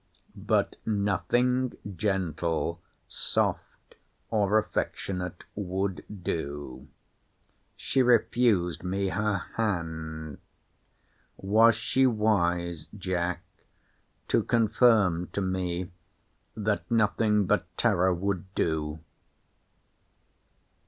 But nothing gentle, soft, or affectionate, would do. She refused me her hand!—Was she wise, Jack, to confirm to me, that nothing but terror would do?